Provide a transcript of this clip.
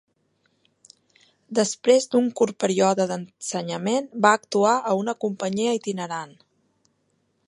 Després d'un curt període d'ensenyament, va actuar a una companyia itinerant.